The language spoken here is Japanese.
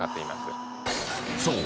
［そう。